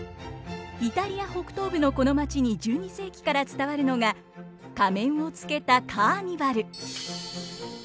イタリア北東部のこの街に１２世紀から伝わるのが仮面をつけたカーニバル。